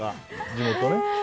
地元ね。